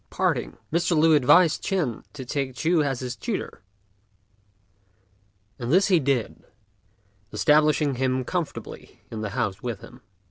At parting, Mr. Lü advised Ch'ên to take Ch'u as his tutor, and this he did, establishing him comfortably in the house with him.